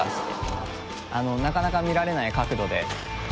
なかなか見られない角度で。